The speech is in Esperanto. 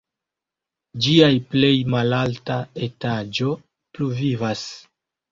Ĝia plej malalta etaĝo pluvivas.